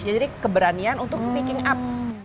jadi keberanian untuk speaking up